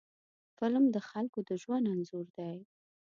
فلم د خلکو د ژوند انځور دی